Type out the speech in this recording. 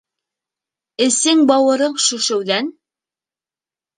Эсең-бауырың шешеүҙән.